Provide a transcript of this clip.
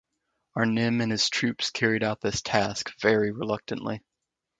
Arnim and his troops carried out this task very reluctantly.